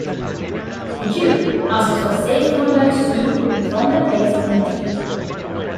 The duke asked for safe-conduct to and from the place of meeting.